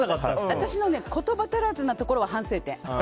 私の言葉足らずなところは反省点。